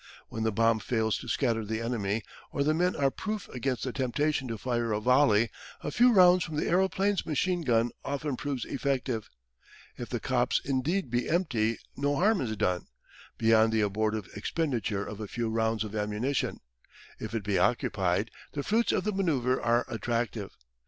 When the bomb fails to scatter the enemy, or the men are proof against the temptation to fire a volley, a few rounds from the aeroplane's machine gun often proves effective. If the copse indeed be empty no harm is done, beyond the abortive expenditure of a few rounds of ammunition: if it be occupied, the fruits of the manoeuvre are attractive.